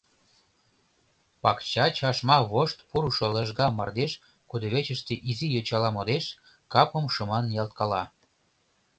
Пакча чашма вошт пурышо лыжга мардеж кудывечыште изи йочала модеш, капым шыман ниялткала.